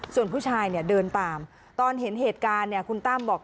ส่วนผู้ชายเนี่ยเดินตามตอนเห็นเหตุการณ์เนี่ยคุณตั้มบอก